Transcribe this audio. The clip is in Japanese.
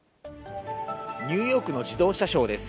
ニューヨークの自動車ショーです。